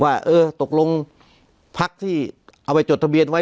ว่าเออตกลงพักที่เอาไปจดทะเบียนไว้